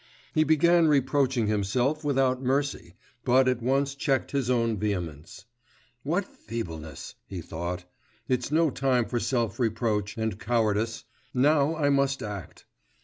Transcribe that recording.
He began reproaching himself without mercy, but at once checked his own vehemence. 'What feebleness!' he thought. 'It's no time for self reproach and cowardice; now I must act.